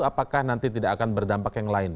apakah nanti tidak akan berdampak yang lain